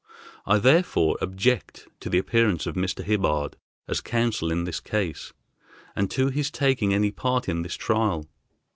I therefore object to the appearance of Mr. Hibbard as counsel in this case, and to his taking any part in this trial.